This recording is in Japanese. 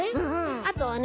あとはね